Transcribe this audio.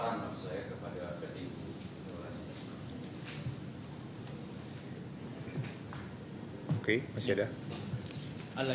ada penawaran kalau misalnya kepada pt ibu